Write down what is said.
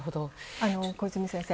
小泉先生。